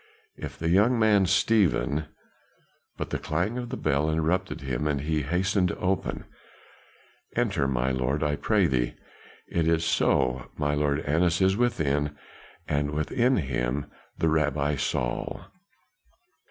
If the young man Stephen " but the clang of the bell interrupted him, and he hastened to open. "Enter, my lord, I pray thee. It is so, my lord Annas is within, and with him the Rabbi Saul."